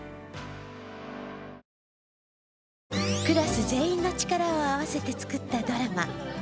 クラス全員の力を合わせて作ったドラマ。